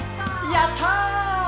やった！